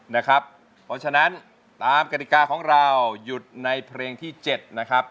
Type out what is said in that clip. เพราะฉะนั้นตามกฎิกาของเราหยุดในเพลงที่๗นะครับ